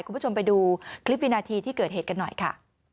คุณผู้ชมไปดูคลิปวินาทีที่เกิดเหตุกันหน่อยค่ะ